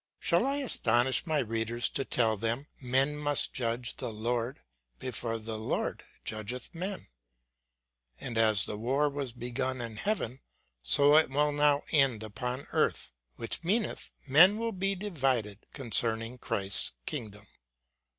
Shall I astonish my readers to tell them, men must judge the Lord, before the Lord judgeth men ? And as the war was begun in heaven, so it will now end upon earth ; which meaneth, men will be divided conceFniiig Christ's kingdom.